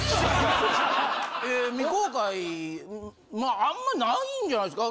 え未公開あんまないんじゃないですか？